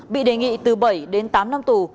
bị đề nghị từ bảy đến tám năm tù